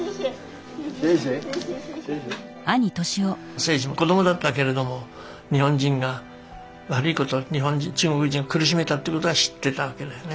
征爾も子供だったけれども日本人が悪いこと中国人を苦しめたってことは知ってたわけだよね。